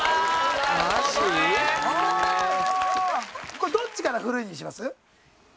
これどっちから古いにします？